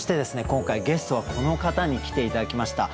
今回ゲストはこの方に来て頂きました。